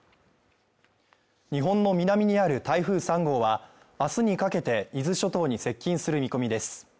日本の南にある台風３号は、あすにかけて伊豆諸島に接近する見込みです。